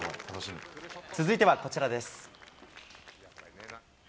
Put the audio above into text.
続いてはこちらです。